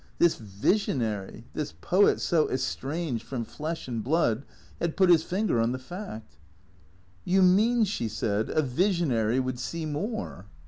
This visionary, this poet so estranged from flesh and blood, had put his finger on the fact. " You mean," she said, " a visionary would see more